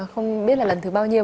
không biết là lần thứ bao nhiêu